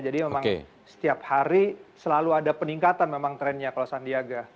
jadi memang setiap hari selalu ada peningkatan memang trennya kalau sandiaga